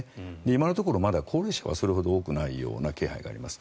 今のところ、まだ高齢者はそれほど多くない気配があります。